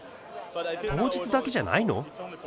当日だけじゃないの？